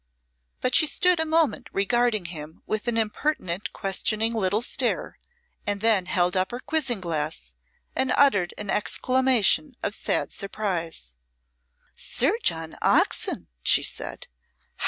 But she stood a moment regarding him with an impertinent questioning little stare, and then held up her quizzing glass and uttered an exclamation of sad surprise. "Sir John Oxon!" she said.